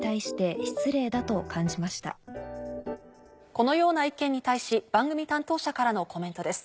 このような意見に対し番組担当者からのコメントです。